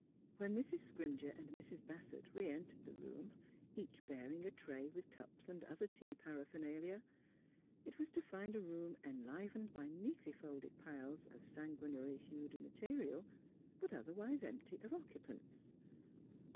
When Mrs. Scrimger and Mrs. Bassett reentered the room, each bearing a tray with cups and other tea paraphernalia, it was to find a room enlivened by neatly folded piles of sanguinary hued mate rial, but otherwise empty of occupants.